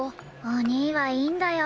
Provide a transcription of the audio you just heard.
お兄はいいんだよ。